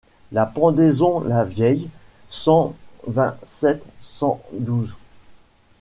La pendaison Lavieille cent vingt-sept cent douze.